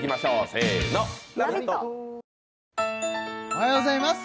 おはようございます